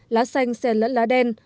lá xanh sen lẫn lá đen